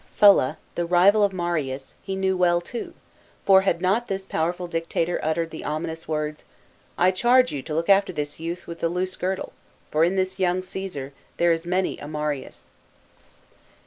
Sulla, the rival of Marius, he knew well too, for had not this powerful Dictator uttered the ominous words " I charge you to look after this youth with the loose girdle, for in this young Coesar, there is many a Marius